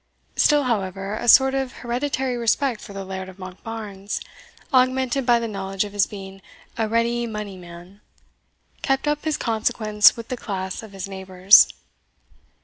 Still, however, a sort of hereditary respect for the Laird of Monkbarns, augmented by the knowledge of his being a ready money man, kept up his consequence with this class of his neighbours.